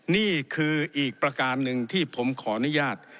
นี่คืออีกประการหนึ่งที่ผมขออนุญาต